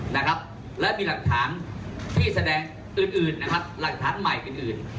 นะครับและมีหลักฐานที่แสดงอื่นอื่นนะครับหลักฐานใหม่อื่นอื่น